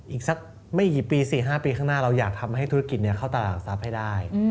อีกสักไม่กี่ปี๔๕ปีข้างหน้าเราอยากทำให้ธุรกิจเข้าตลาดหลักทรัพย์ให้ได้